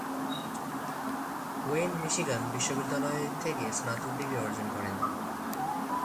When Michigan বিশ্ববিদ্যালয় থেকে স্নাতক ডিগ্রি অর্জন করেন।